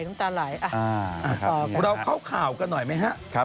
เราเข้าข่าวกันหน่อยไหมฮะ